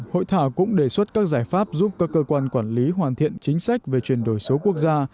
hội thảo cũng đề xuất các giải pháp giúp các cơ quan quản lý hoàn thiện chính sách về chuyển đổi số quốc gia